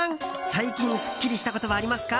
最近、すっきりしたことはありますか？